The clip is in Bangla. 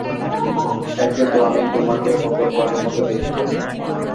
একে তো আমি তোমাকে প্রথমবারের মতোই দেখবো।